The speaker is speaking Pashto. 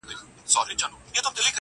o کورنۍ پټ عمل کوي د شرم,